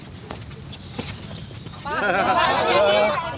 pak pak jangan